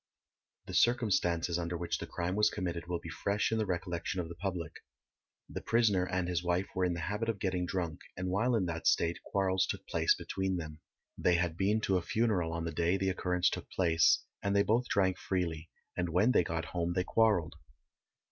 The circumstances under which the crime was committed will be fresh in the recollection of the public. The prisoner and his wife were in the habit of getting drunk, and while in that state quarrels took place between them. They had been to a funeral on the day the occurrence took place, and they both drank freely, and when they got home they quarrelled.